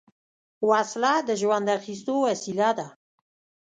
وسله د ژوند اخیستو وسیله ده